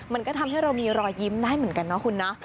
มันก็ทำให้เรามีรอยยิ้มได้เหมือนกันนะคุณนะ